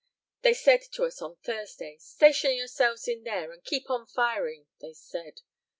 They said to us on Thursday, 'Station yourselves in there and keep on firing,' they said.